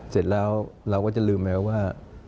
เสร็จแล้วเราก็จะลืมแม้ว่า